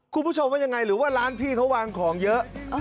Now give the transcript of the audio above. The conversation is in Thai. คุณผู้ชมว่ายังไงหรือว่าร้านพี่เขาวางของเยอะ